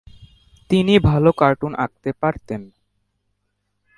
তিনি ভালো কার্টুন আঁকতে পারতেন।